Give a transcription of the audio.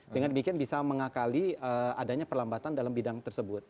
dengan demikian bisa mengakali adanya perlambatan dalam bidang tersebut